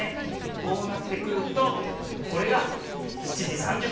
こうなってくるとこれが７じ３０ぷん。